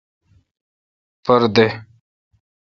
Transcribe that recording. پر دد۔